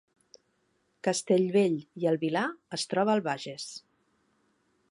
Castellbell i el Vilar es troba al Bages